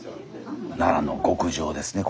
奈良の極上ですね